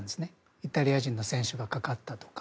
イタリア人の選手がかかったとか。